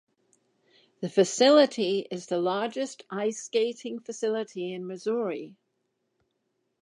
The facility is the largest ice skating facility in Missouri.